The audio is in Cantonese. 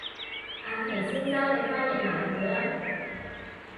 阿祁先生你翻譯埋佢啦